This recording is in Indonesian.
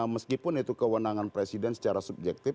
meskipun itu kewenangan presiden secara subjektif